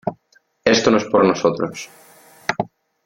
esto no es por nosotros